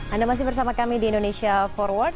anda masih bersama kami di indonesia forward